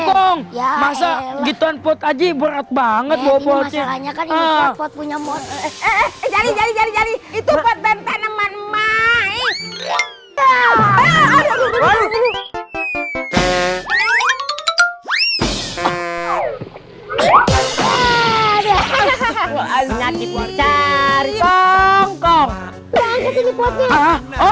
oh diangkat dong aduh maaf kong uduh bagus potnya ngapa hp gila lu